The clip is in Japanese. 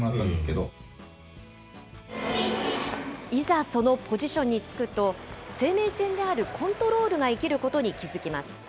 いざそのポジションに就くと、生命線であるコントロールが生きることに気付きます。